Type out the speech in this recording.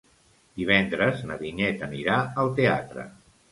Divendres na Vinyet anirà al teatre.